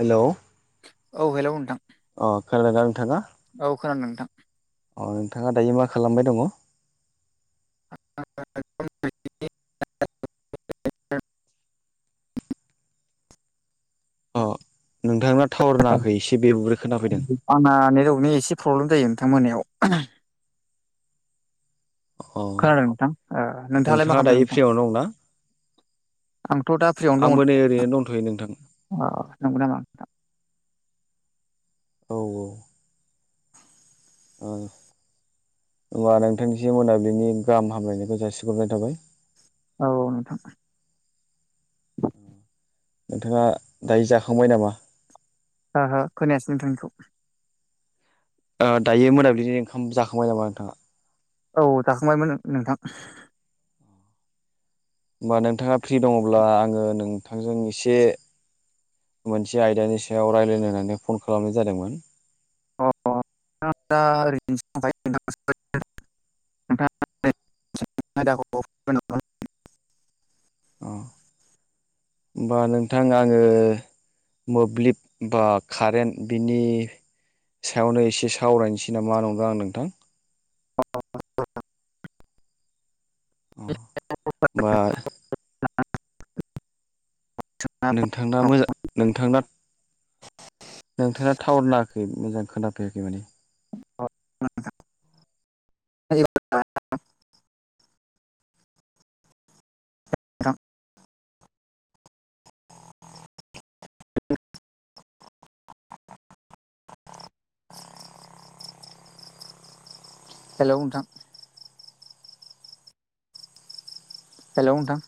हेल' औ हेल' नोंथां अ खोनादोंना नोंथाङा? औ खोनादों नोंथां अ नोंथाङा दायो मा खालामबाय दङ [unintelligible] अ नोंथांना टावार नाङाखै एसे बेबब्रै खोनाफैदों आंना नेटवरकनि एसे प्रब्लेम जायो नोंथां मोनायाव अ खोनादों नोंथां नोंथाङालाय मा नोंथाङा खालामदों दायो नोंथां? फ्रियावनो दंना आंथ' दा फ्रियावनो आंबो दङ' नै नोंथां ओरैनो दंथ'यो नोंथां अ नंगौ नामा औ औ औ होनबा नोंथांनिसि मोनाबिलिनि गाहाम हामलायनायखौ जासिहरनाय थाबाय। औ औ नोंथां नोंथाङा दायो जाखांबाय नामा? ओहो खोनायासै नोंथां बेखौ दायो मोनाबिलिनि ओंखाम जाखांबाय नामा नोंथाङा? औ जाखांबायमोन नोंथां। होमबा नोंथाङा फ्रि दङ'ब्ला आङो नों नोंथांजों एसे मोनसे आयदानि सायाव रायज्लायनो होननानै फन खालामनाय जादोंमोन। अ नोंथां दा [unintelligible] [unintelligible] अ होनबा नोंथां आङो मोब्लिब बा कारेन्ट बिनि सायावनो एसे सावरायनोसै नामा नंदों आं नोंथां [unintelligible] बा [unintelligible] नोंथांना मोजां नोंथांना नोंथां ना थावार नाङाखै मोजां खोनाफैयाखै माथो [unintelligible] नोंथां हेलौ नोंथां हेल' नोंथां